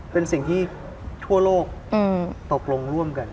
เป็นสิ่งที่ทั่วโลกตกลงร่วมกัน